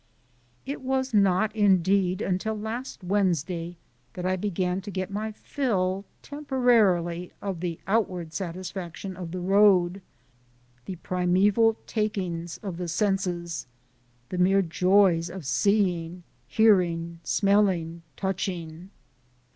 It was not, indeed, until last Wednesday that I began to get my fill, temporarily, of the outward satisfaction of the Road the primeval takings of the senses the mere joys of seeing, hearing, smelling, touching.